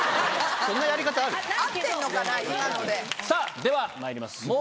さぁではまいります